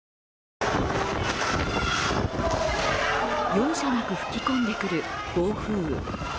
容赦なく吹き込んでくる暴風雨。